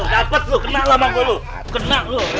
dapet lu kena lah bang gue lu